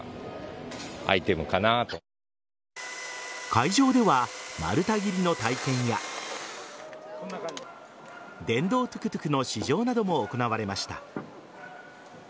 会場では丸太切りの体験や電動トゥクトゥクの試乗なども行われました。